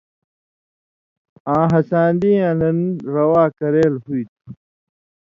آں ہسانی یاں دن روا کریل ہُوئ تھُو۔